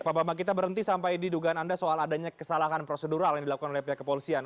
pak bambang kita berhenti sampai didugaan anda soal adanya kesalahan prosedural yang dilakukan oleh pihak kepolisian